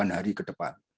hari ke depan